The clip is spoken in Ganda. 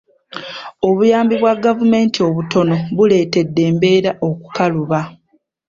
Obuyambi bwa gavumenti obutono buleetedde embeera okukaluba.